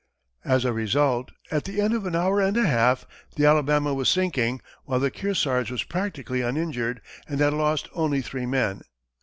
As a result, at the end of an hour and a half, the Alabama was sinking, while the Kearsarge was practically uninjured and had lost only three men.